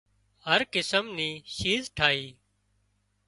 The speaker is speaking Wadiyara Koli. هر قسم نِي شِيز ٺاهِي